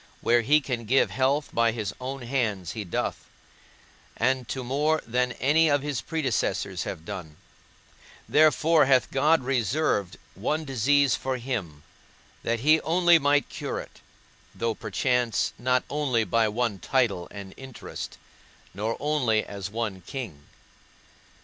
Where he can give health by his own hands he doth, and to more than any of his predecessors have done: therefore hath God reserved one disease for him, that he only might cure it, though perchance not only by one title and interest, nor only as one king.